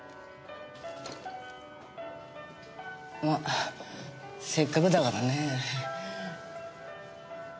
ませっかくだからねぇ。